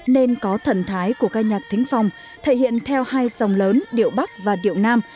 nên có thần thái của ca nhạc thính phong thể hiện theo hai dòng lớn điệu bắc và điệu nam